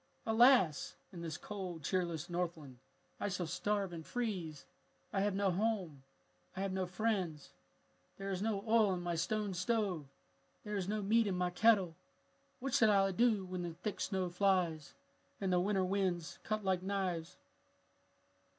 "Alas! in this cold, cheerless Northland I shall starve and freeze. I have no home. I have no friends. "There is no oil in my stone stove! There is no meat in my kettle. What shall I do when the thick snow flies and the winter winds cut like knives?"